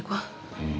うん？